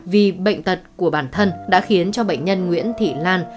vì bệnh tật của bản thân đã khiến cho bệnh nhân nguyễn thị lan